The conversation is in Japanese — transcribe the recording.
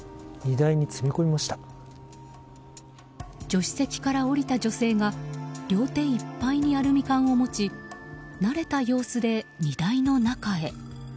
助手席から降りた女性が両手いっぱいにアルミ缶を持ち慣れた様子で荷台の中へ。